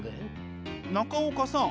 中岡さん